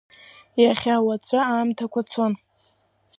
Иахьа уаҵәы, аамҭақәа цон.